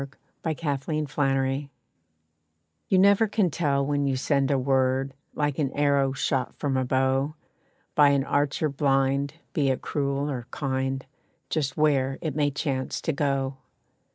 =You Never Can Tell= You never can tell when you send a word, Like an arrow shot from a bow By an archer blind, be it cruel or kind, Just where it may chance to go.